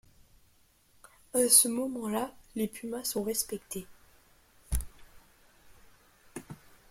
À ce moment-là, les Pumas sont respectés.